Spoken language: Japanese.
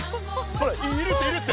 ほらいるっているって！